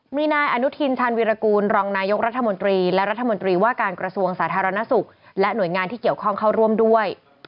มีนายอนุทินชาญวิรากูลรองนายกรัฐมนตรีและรัฐมนตรีว่าการกระทรวงสาธารณสุขและหน่วยงานที่เกี่ยวข้องเข้าร่วมด้วย